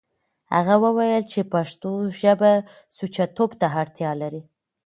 هغه وويل چې پښتو ژبه سوچه توب ته اړتيا لري.